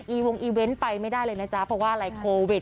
วงอีเวนต์ไปไม่ได้เลยนะจ๊ะเพราะว่าอะไรโควิด